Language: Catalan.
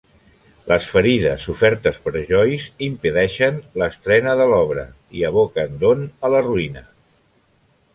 Les ferides sofertes per Joyce impedeixen l'estrena de l'obra i aboquen Don a la ruïna.